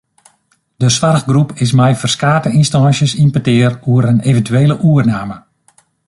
De soarchgroep is mei ferskate ynstânsjes yn petear oer in eventuele oername.